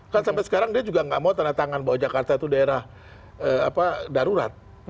kan sampai sekarang dia juga nggak mau tanda tangan bahwa jakarta itu daerah darurat